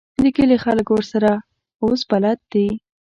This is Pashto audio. د کلي خلک ورسره اوس بلد دي.